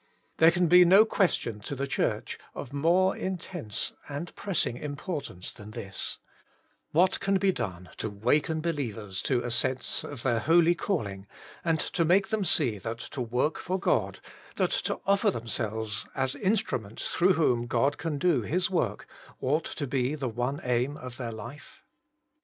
There can be no question to the Church of more intense and pressing importance than this : What can be done to waken be lievers to a sense of their holy calling, and to make them see that to zvork for God, that 24 Working for God to offer themselves as instruments through zvhom God can do His zvork, ought to be the one aim of their life?